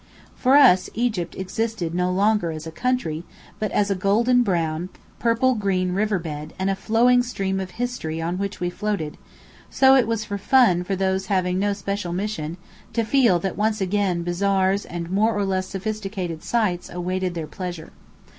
For us, Egypt existed no longer as a country, but as a golden brown, purple green river bed and a flowing stream of history on which we floated; so it was fun for those having no special mission, to feel that once again bazaars and more or less sophisticated "Sights" awaited their pleasure.